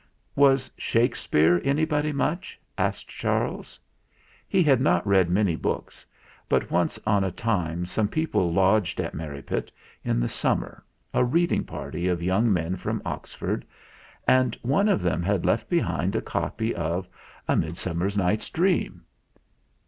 "Was Shakespeare anybody much?" asked Charles. He had not read many books, but once on a time some people lodged at Merripit in the Summer a reading party of young men from Oxford and one of them had left behind a copy of "A Midsummer Night's Dream."